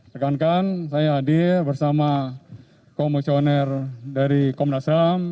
rekan rekan saya hadir bersama komisioner dari komnas ham